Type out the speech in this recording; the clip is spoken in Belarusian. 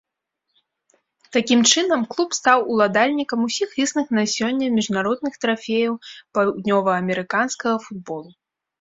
Такім чынам, клуб стаў уладальнікам усіх існых на сёння міжнародных трафеяў паўднёваамерыканскага футболу.